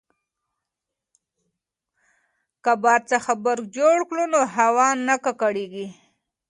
که باد څخه برق جوړ کړو نو هوا نه ککړیږي.